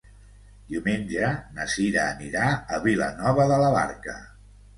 Diumenge na Cira anirà a Vilanova de la Barca.